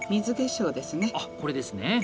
あ、これですね。